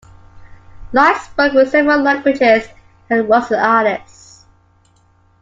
Light spoke several languages and was an artist.